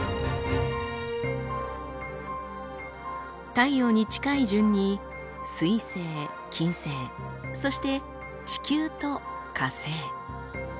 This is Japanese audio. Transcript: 太陽に近い順に水星金星そして地球と火星。